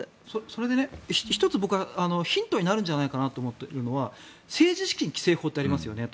それで、１つ僕はヒントになるんじゃないかと思っているのは政治資金規正法ってありますよね。